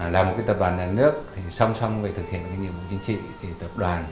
là một tập đoàn đàn nước song song về thực hiện nhiệm vụ chính trị